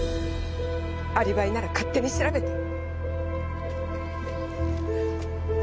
アリバイなら勝手に調べて。